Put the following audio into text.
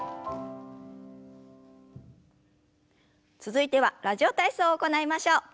続いては「ラジオ体操」を行いましょう。